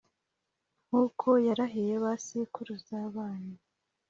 nk uko yarahiye ba sekuruza banyu